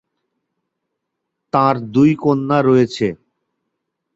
তার দুই কন্যা রয়েছে।